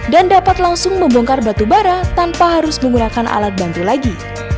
dan dapat langsung membongkar batu bara tanpa harus menggunakan alat bantu lagi